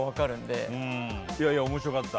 いやいや面白かった。